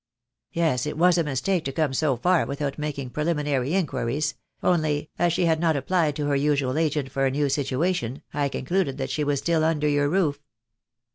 "Yes, it was a mistake to come so far without making preliminary inquiries — only, as she had not applied to her usual agent for a new situation, I concluded that she was still under your roof."